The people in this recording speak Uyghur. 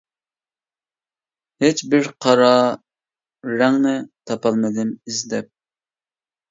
ھېچ بىر قارا رەڭنى تاپالمىدىم ئىزدەپ.